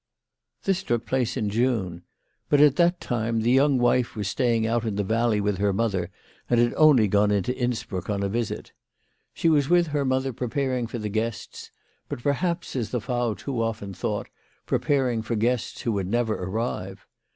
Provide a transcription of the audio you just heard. This took place in June. But at that time the young wife was staying out in the valley with her mother, and had only gone into Innsbruck on a> visit. She was WHY FRAU FROHMANN RAISED HER PRICES. 95 with her mother preparing for the guests; but perhaps, as the Frau too often thought, preparing for guests who would never arrive.